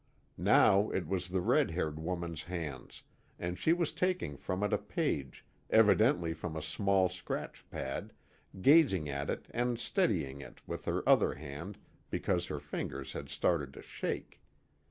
Now it was in the red haired woman's hands, and she was taking from it a page, evidently from a small scratch pad, gazing at it and steadying it with her other hand because her fingers had started to shake.